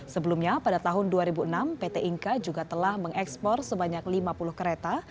sebelumnya pada tahun dua ribu enam pt inka juga telah mengekspor sebanyak lima puluh kereta